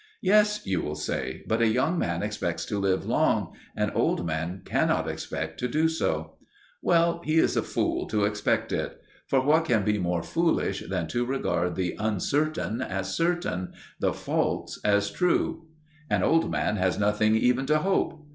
Yes, you will say; but a young man expects to live long; an old man cannot expect to do so. Well, he is a fool to expect it. For what can be more foolish than to regard the uncertain as certain, the false as true? "An old man has nothing even to hope."